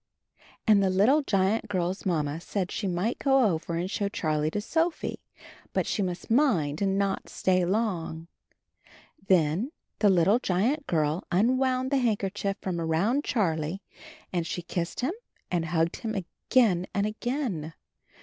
Ajid the little giant girl's mamma said she might go over and show Charlie to Sophie, but she must mind and not stay long. Then the little giant girl unwound the handkerchief from around Charlie and she kissed him and hugged him again and again.